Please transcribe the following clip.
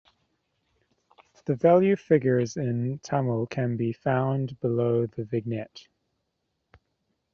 The value figure in Tamil can be found below the vignette.